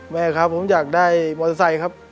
แม่ครับผมอยากได้มอเตอร์ไซค์ครับ